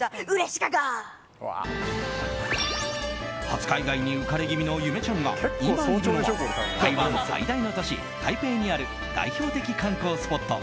初海外に浮かれ気味のゆめちゃんが今いるのは台湾最大の都市台北にある代表的観光スポット